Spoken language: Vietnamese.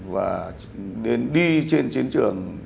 và đi trên chiến trường